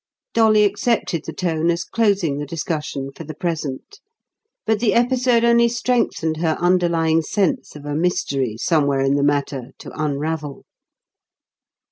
Dolly accepted the tone as closing the discussion for the present; but the episode only strengthened her underlying sense of a mystery somewhere in the matter to unravel.